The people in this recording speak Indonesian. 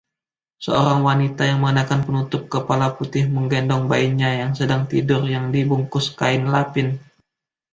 Seorang wanita yang mengenakan penutup kepala putih menggendong bayinya yang sedang tidur, yang dibungkus kain lampin.